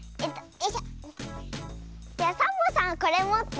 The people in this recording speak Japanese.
じゃあサボさんこれもって。